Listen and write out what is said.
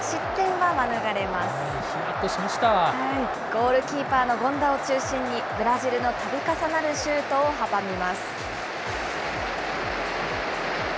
ゴールキーパーの権田を中心に、ブラジルのたび重なるシュートを阻みます。